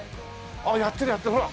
ああやってるやってる。ほら！